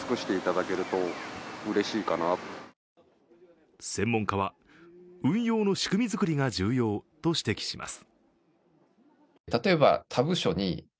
市民は専門家は、運用の仕組み作りが重要だと指摘します。